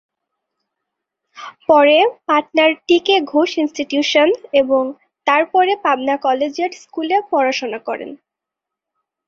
পরে পাটনার T K Ghosh institution এবং তারপর পাটনা কলেজিয়েট স্কুলে পড়াশোনা করেন।